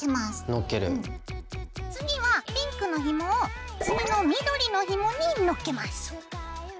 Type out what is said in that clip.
次はピンクのひもを次の緑のひもに載っけます。